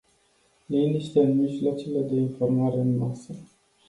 Liniște în mijloacele de informare în masă.